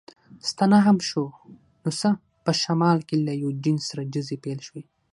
ستنه هم شو، نو څه، په شمال کې له یوډین سره ډزې پیل شوې.